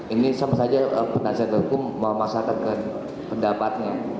ini sama saja penasihat hukum memasarkan pendapatnya